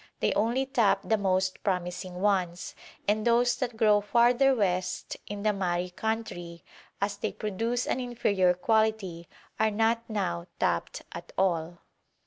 They only tap the most promising ones, and those that grow farther west in the Mahri country, as they produce an inferior quality, are not now tapped at all.